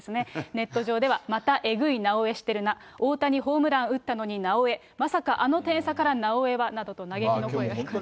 ネット上では、またえぐいなおエしてるな、大谷ホームラン打ったのになおエ、まさか、あの点差からなおエはなどと嘆きの声が聞かれました。